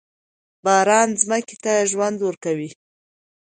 باران ځمکې ته ژوند ورکوي.